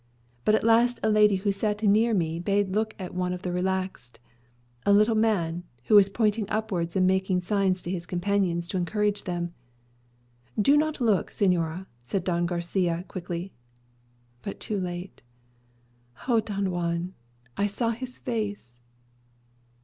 But at last a lady who sat near me bade me look at one of the relaxed, a little man, who was pointing upwards and making signs to his companions to encourage them. 'Do not look, señora,' said Don Garçia, quickly but too late. O Don Juan, I saw his face!"